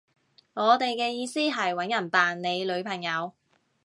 我哋嘅意思係搵人扮你女朋友